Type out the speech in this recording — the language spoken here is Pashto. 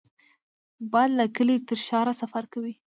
باد له کلي تر ښار سفر کوي